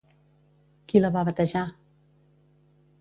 Qui la va batejar?